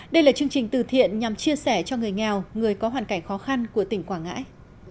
đây là chương trình từ thiện nhằm chia sẻ cho người nghèo người có hoàn cảnh khó khăn của tỉnh quảng ngãi